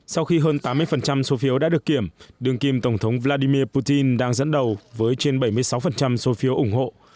sau khi hơn tám mươi số phiếu đã được kiểm đường kim tổng thống vladimir putin đang dẫn đầu với trên bảy mươi sáu số phiếu ủng hộ